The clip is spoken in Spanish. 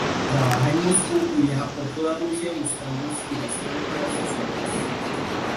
Trabaja en Moscú y viaja por toda Rusia buscando inspiración para sus obras.